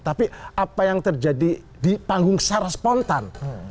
tapi apa yang terjadi di panggung secara spontan